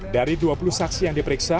dari dua puluh saksi yang diperiksa